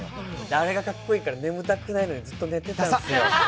あれがかっこいいから、眠たくないのにずっと寝てたんですよ。